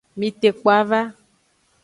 Mitekpo ava.